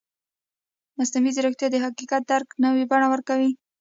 مصنوعي ځیرکتیا د حقیقت درک نوې بڼه ورکوي.